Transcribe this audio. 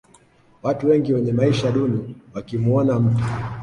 watu wengi wenye maisha duni wakimuona mtu